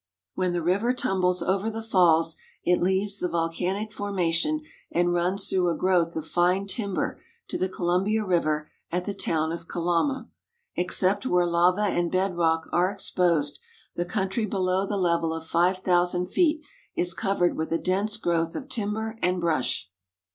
When the river tumbles over the falls it leaves the volcanic formation and runs through a growth of fine timber to the Columbia river at the town of Kalama. Except where lava and bed rock are exposed, the countr}^ below the level of 5,000 feet is covered with a dense growth of timber and brush.